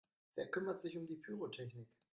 Wer kümmert sich um die Pyrotechnik?